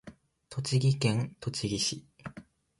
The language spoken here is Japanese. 栃木県栃木市